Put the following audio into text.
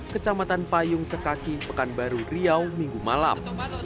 kecamatan payung sekaki pekanbaru riau minggu malam